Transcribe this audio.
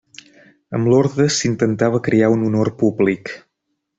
Amb l'orde s'intentava crear un honor públic.